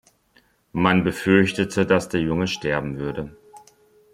Man befürchtete, dass der Junge sterben würde.